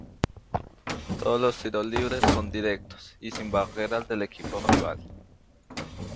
Todos los tiros libres son directos y sin barrera del equipo rival.